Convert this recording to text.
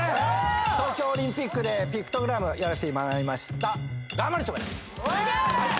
東京オリンピックでピクトグラムやらせてもらいましたがまるちょばです